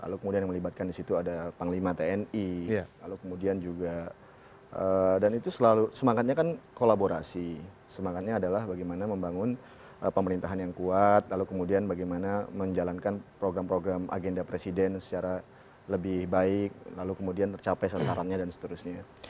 lalu kemudian yang melibatkan di situ ada panglima tni lalu kemudian juga dan itu selalu semangatnya kan kolaborasi semangatnya adalah bagaimana membangun pemerintahan yang kuat lalu kemudian bagaimana menjalankan program program agenda presiden secara lebih baik lalu kemudian tercapai sasarannya dan seterusnya